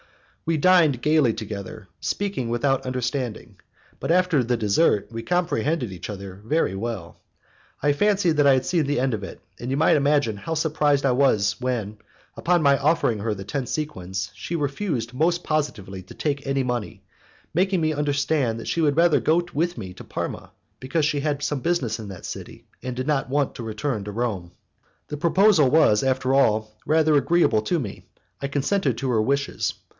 "We dined gaily together, speaking without understanding, but after the dessert we comprehended each other very well. I fancied that I had seen the end of it, and you may imagine how surprised I was when, upon my offering her the ten sequins, she refused most positively to take any money, making me understand that she would rather go with me to Parma, because she had some business in that city, and did not want to return to Rome. "The proposal was, after all, rather agreeable to me; I consented to her wishes.